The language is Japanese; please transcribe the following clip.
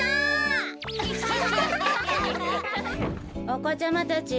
おこちゃまたち！